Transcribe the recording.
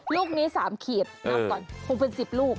ลูกนี้๓ขีดนับก่อนคงเป็น๑๐ลูก